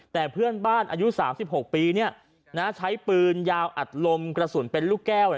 แต่เพื่อนบ้านอายุ๓๖ปีใช้ปืนยาวอัดลมกระสุนเป็นลูกแก้ว